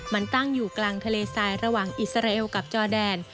มันตั้งอยู่กลางทะเลทรายระหว่างอิสราเอลกับจอแดน